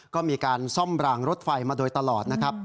ก็มีการซ่อมรางรถไฟมาโดยตลอดนะครับ